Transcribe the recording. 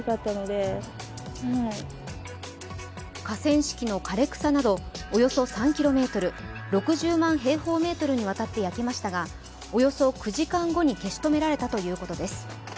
河川敷の枯れ草などおよそ３ｋｍ、６０万平方メートルにわたって焼けましたがおよそ９時間後に消し止められたということです。